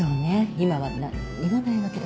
今はなんにもないわけだし。